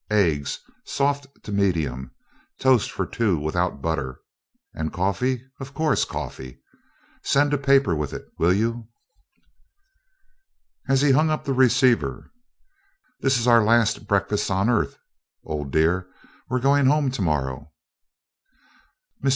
Eggs soft to medium. Toast for two, without butter. And coffee? Of course, coffee. Send a paper with it, will you?" As he hung up the receiver, "This is our last breakfast on earth, Old Dear we're going home to morrow." Mr.